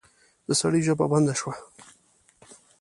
د سړي ژبه بنده شوه.